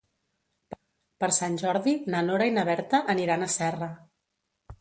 Per Sant Jordi na Nora i na Berta aniran a Serra.